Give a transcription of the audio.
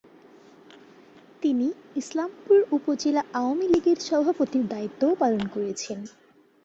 তিনি ইসলামপুর উপজেলা আওয়ামী লীগের সভাপতির দায়িত্বও পালন করছেন।